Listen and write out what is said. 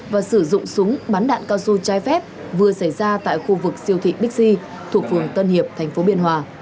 và sử dụng súng bắn đạn cao su trái phép vừa xảy ra tại khu vực siêu thị bixi thuộc phường tân hiệp tp biên hòa